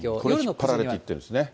これに引っ張られていってるんですね。